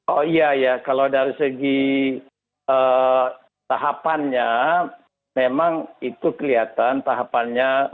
oh iya ya kalau dari segi tahapannya memang itu kelihatan tahapannya